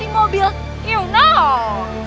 kita gak ada pilihan lain temen temen